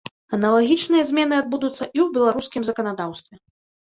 Аналагічныя змены адбудуцца і ў беларускім заканадаўстве.